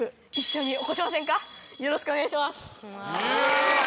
よろしくお願いします。